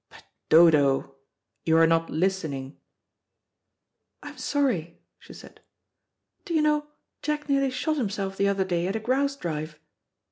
"But, Dodo, you are not listening." "I'm sorry," she said. "Do you know, Jack nearly shot himself the other day at a grouse drive?"